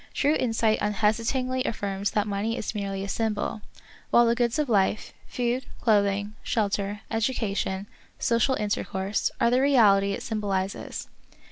True insight unhesitatingly affirms that mpney is merely a symbol, while the goods of life — food, clothing, shel ter, education, social intercourse — are the reality it symbolizes.